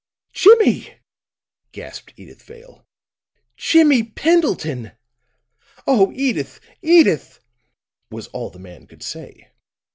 "Jimmie!" gasped Edyth Vale. "Jimmie Pendleton!" "Oh, Edyth Edyth!" was all the man could say.